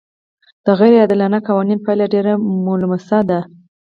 د غیر عادلانه قوانینو پایله ډېره ملموسه ده.